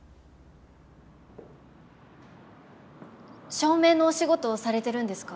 照明のお仕事をされてるんですか？